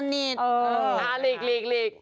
น่าลีก